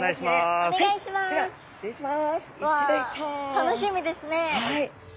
楽しみですね。